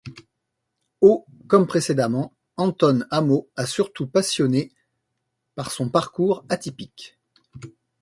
Au comme précédemment, Anton Amo a surtout passionné par son parcours atypique.